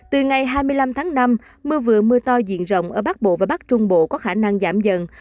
từ ngày hai mươi năm tháng năm mưa vừa mưa to diện rộng ở bắc bộ và bắc trung bộ có khả năng giảm dần